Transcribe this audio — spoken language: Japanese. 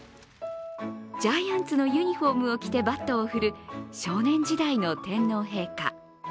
ジャイアンツのユニフォームを着てバットを振る少年時代の天皇陛下。